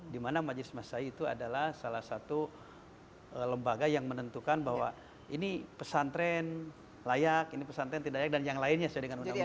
dimana majelis masyai itu adalah salah satu lembaga yang menentukan bahwa ini pesantren layak ini pesantren tidak layak dan yang lainnya sesuai dengan undang undang